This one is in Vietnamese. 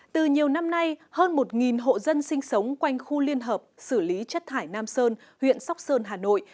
từ nhiều năm nay hơn một hộ dân sinh sống quanh khu liên hợp xử lý chất thải nam sơn huyện sóc sơn hà nội